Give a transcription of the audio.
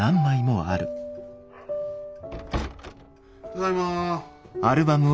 ・ただいま。